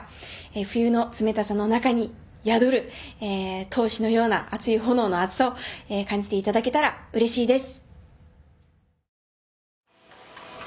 冬の冷たさの中に宿る闘志のような熱い炎の熱さを感じていただけたらうれしいです。